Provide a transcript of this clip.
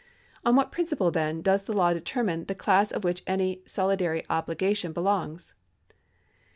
On what principle, then, does the law determine the class of which any solidary obligation belongs